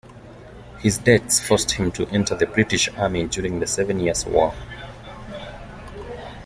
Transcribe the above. His debts forced him to enter the British Army during the Seven Years' War.